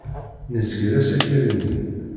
Nezgel asakal-nni.